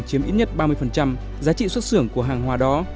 chiếm ít nhất ba mươi giá trị xuất xưởng của hàng hóa đó